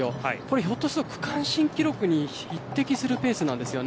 ひょっとすると区間新記録に匹敵するペースなんですね。